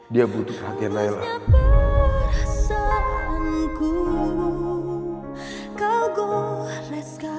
dia butuh perhatian nayla